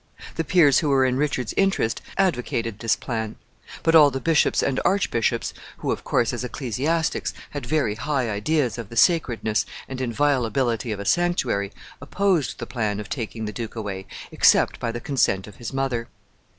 The peers who were in Richard's interest advocated this plan; but all the bishops and archbishops, who, of course, as ecclesiastics, had very high ideas of the sacredness and inviolability of a sanctuary, opposed the plan of taking the duke away except by the consent of his mother.